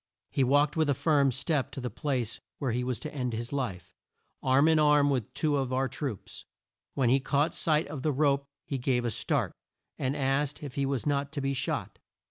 He walked with a firm step to the place where he was to end his life, arm in arm with two of our troops. When he caught sight of the rope he gave a start, and asked if he was not to be shot.